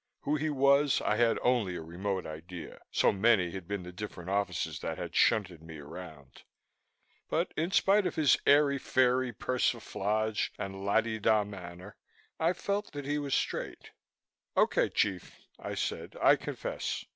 Who he was, I had only a remote idea, so many had been the different offices that had shunted me around. But in spite of his airy fairy persiflage and la di da manner, I felt that he was straight. "Okay, chief," I said. "I confess.